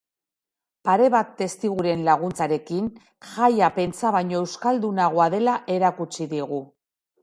Pare bat testiguren laguntzarekin, jaia pentsa baino euskaldunagoa dela erakutsi digu.